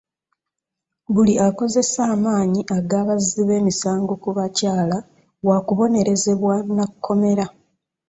Buli akozesa amaanyi ag'abazzi b'emisango ku bakyala wa kubonerezebwa na kkomera.